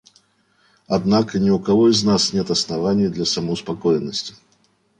Однако ни у кого из нас нет оснований для самоуспокоенности.